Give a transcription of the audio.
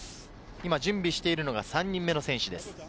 今準備しているのが３人目の選手です。